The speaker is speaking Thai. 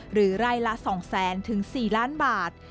หรือไร่ละ๒๐๐๐๔ล้านบาท